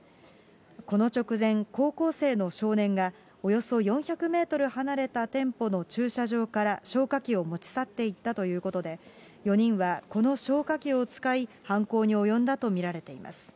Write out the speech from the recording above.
この直前、高校生の少年が、およそ４００メートル離れた店舗の駐車場から消火器を持ち去っていったということで、４人はこの消火器を使い、犯行に及んだと見られています。